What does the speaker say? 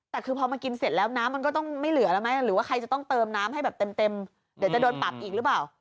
แต่คือพอมากินเสร็จแล้วน้ำมันก็ต้องไม่เหลือแล้วไหมหรือว่าใครจะต้องเติมน้ำให้แบบเต็มเดี๋ยวจะโดนปรับอีกหรือเปล่า